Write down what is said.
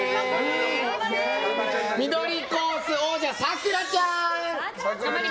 緑コース、王者さくらちゃん。